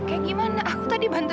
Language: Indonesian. enggak juga kan